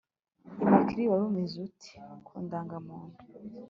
immaculee wari umezez ute ku indangamuntu